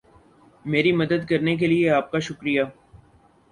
میری مدد کرنے کے لئے آپ کا شکریہ